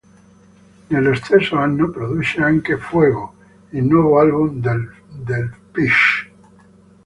Nello stesso anno produce anche "Fuego", il nuovo album dei Phish.